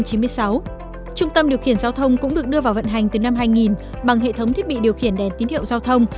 trung tâm điều khiển giao thông cũng được đưa vào vận hành từ năm hai nghìn bằng hệ thống thiết bị điều khiển đèn tín hiệu giao thông